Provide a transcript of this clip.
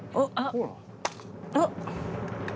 あっ！